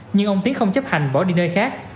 nhưng ông tiến không chấp hành bỏ đi nơi khác